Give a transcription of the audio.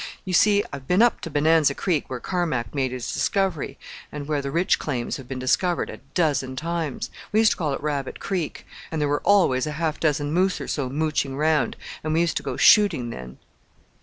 You see I've been up to Bonanza Creek where Carmack made his discovery, and where the rich claims have been discovered, a dozen times. We used to call it Rabbit Creek, and there were always a half dozen moose or so mooching round, and we used to go shooting then."